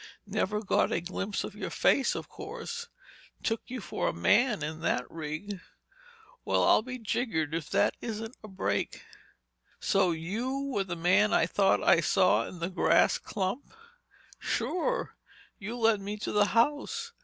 Never got a glimpse of your face, of course—took you for a man in that rig! Well, I'll be jiggered if that isn't a break!" "So you were the man I thought I saw in the grass clump?" "Sure. You led me to the house.